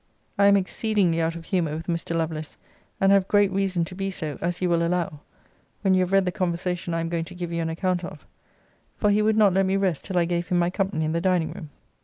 I am exceedingly out of humour with Mr. Lovelace: and have great reason to be so, as you will allow, when you have read the conversation I am going to give you an account of; for he would not let me rest till I gave him my company in the dining room.